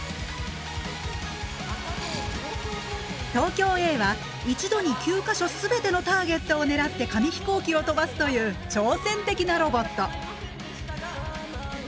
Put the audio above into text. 東京Ａは一度に９か所全てのターゲットを狙って紙飛行機を飛ばすという挑戦的なロボット！